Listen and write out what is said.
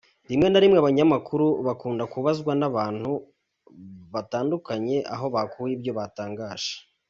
Rimwe na rimwe abanyamakuru bakunda kubazwa n’abantu batandukanye aho bakuye ibyo batangaje.